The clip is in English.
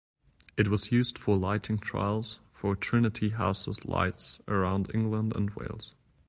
It was used for lighting trials for Trinity House's lights around England and Wales.